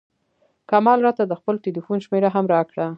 کمال راته د خپل ټیلفون شمېره هم راکړه.